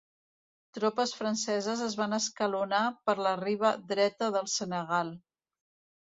Tropes franceses es van escalonar per la riba dreta del Senegal.